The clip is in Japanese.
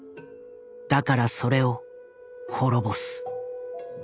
だからそれを滅ぼす。